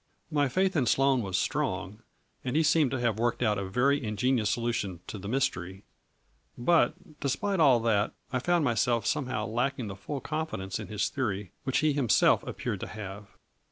My faith in Sloane was strong, and he seemed to have worked out a very ingenious solution to the mystery, but despite all that, I found my self somehow lacking the full confidence in his theory which he himself appeared to have.